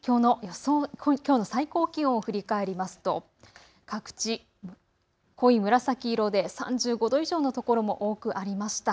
きょうの最高気温を振り返りますと各地、濃い紫色で３５度以上の所も多くありました。